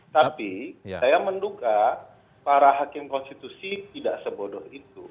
tapi saya menduga para hakim konstitusi tidak sebodoh itu